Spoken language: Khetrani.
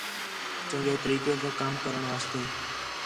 چَنڳے طریقے ساں کَم کرݨ واسطے